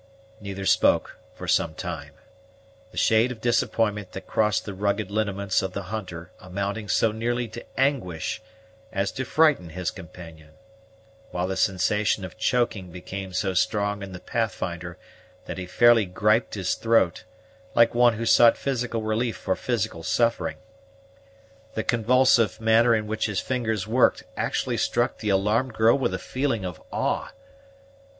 Neither spoke for some time, the shade of disappointment that crossed the rugged lineaments of the hunter amounting so nearly to anguish as to frighten his companion, while the sensation of choking became so strong in the Pathfinder that he fairly griped his throat, like one who sought physical relief for physical suffering. The convulsive manner in which his fingers worked actually struck the alarmed girl with a feeling of awe.